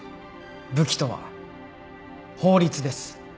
武器とは法律です。